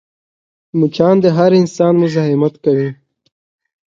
مچان د هر انسان مزاحمت کوي